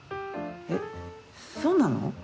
えっそうなの？